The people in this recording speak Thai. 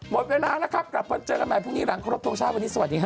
หมดเวลาแล้วครับกลับมาเจอกันใหม่พรุ่งนี้หลังครบทรงชาติวันนี้สวัสดีฮ